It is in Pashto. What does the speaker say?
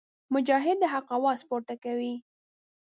مجاهد د حق اواز پورته کوي.